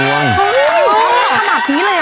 โดยไม่ต้องใส่เงิง